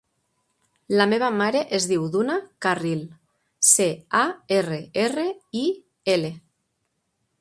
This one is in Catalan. La meva mare es diu Duna Carril: ce, a, erra, erra, i, ela.